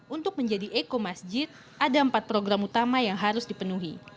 untuk menjadi eko masjid ada empat program utama yang harus dipenuhi